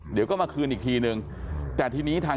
จะมาคืนอีกทีนึง